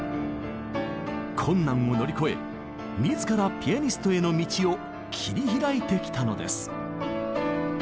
困難を乗り越え自らピアニストへの道を切り開いてきたのです。